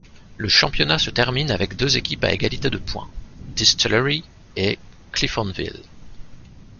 Le championnat se termine avec deux équipes à égalité de points, Distillery et Cliftonville.